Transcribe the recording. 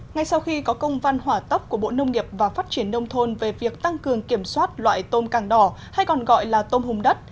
ngay sau khi có công văn hỏa tốc của bộ nông nghiệp và phát triển nông thôn về việc tăng cường kiểm soát loại tôm càng đỏ hay còn gọi là tôm hùm đất